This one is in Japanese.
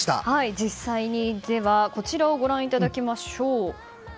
実際にご覧いただきましょう。